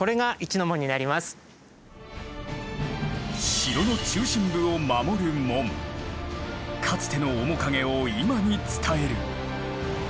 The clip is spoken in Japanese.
城の中心部を守る門かつての面影を今に伝える。